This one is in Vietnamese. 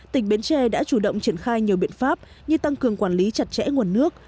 tỉnh bến tre đã chủ động triển khai nhiều biện pháp như tăng cường quản lý chặt chẽ nguồn nước